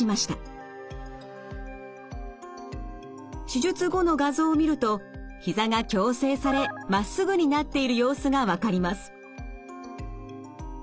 手術後の画像を見るとひざが矯正されまっすぐになっている様子が分かります。